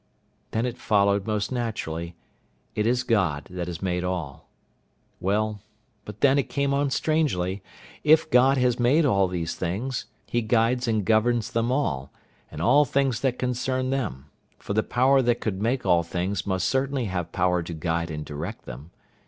Then it followed most naturally, it is God that has made all. Well, but then it came on strangely, if God has made all these things, He guides and governs them all, and all things that concern them; for the Power that could make all things must certainly have power to guide and direct them.